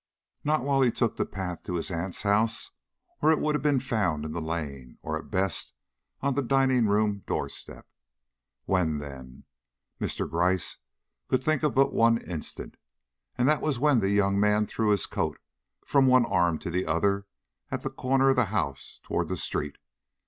Not while he took the path to his aunt's house, or it would have been found in the lane, or, at best, on the dining room door step. When, then? Mr. Gryce could think of but one instant, and that was when the young man threw his coat from one arm to the other at the corner of the house toward the street.